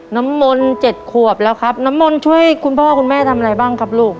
น้ำมนต์เจ็ดขวบแล้วครับน้ำมนต์ช่วยคุณพ่อคุณแม่ทำอะไรบ้างครับลูก